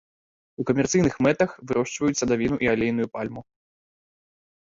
У камерцыйных мэтах вырошчваюць садавіну і алейную пальму.